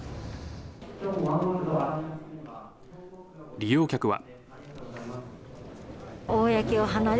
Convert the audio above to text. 利用客は。